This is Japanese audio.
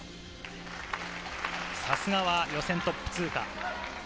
さすがは予選トップ通過。